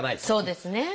そうですね。